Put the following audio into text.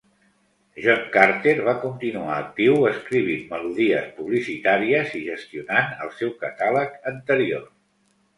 John Carter va continuar actiu escrivint melodies publicitàries i gestionant el seu catàleg anterior.